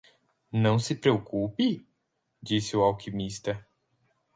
"Não se preocupe?", disse o alquimista.